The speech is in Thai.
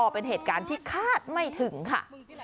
เป็นเหตุการณ์ที่คาดไม่ถึงค่ะ